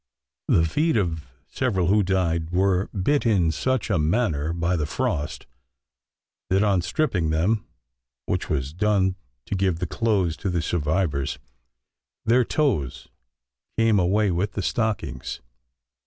The feet of several who died were bit in such a manner by the frost, that, on stripping them, which was done to give the clothes to the survivors, their toes came away with the stockings.